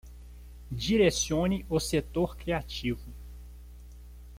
Direcione o setor criativo